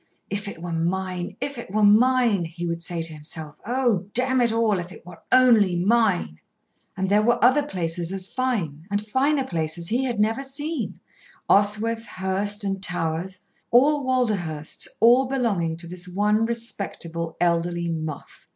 "If it were mine, if it were mine!" he would say to himself. "Oh! damn it all, if it were only mine!" And there were other places as fine, and finer places he had never seen, Oswyth, Hurst, and Towers, all Walderhurst's all belonging to this one respectable, elderly muff.